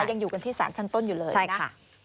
ยังอยู่กันที่สารชั้นต้นอยู่เลยนะคะ